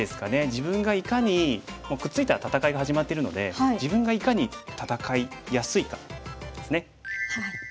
自分がいかにくっついたら戦いが始まってるので自分がいかに戦いやすいかですね。